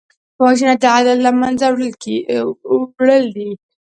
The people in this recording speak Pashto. وژنه د عدل له منځه وړل دي